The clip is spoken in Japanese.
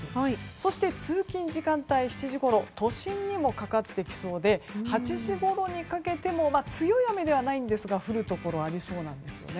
そして、通勤時間帯７時ごろ都心にもかかってきそうで８時ごろにかけても強い雨ではないんですが降るところがありそうなんです。